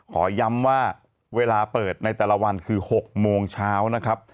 ขอย้ำว่าเวลาเปิดในแต่ละวันคือ๖โมงเช้านะครับ